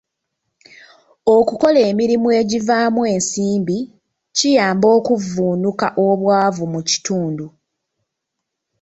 Okukola emirimu egivaamu ensimbi kiyamba okuvvuunuka obwavu mu kitundu.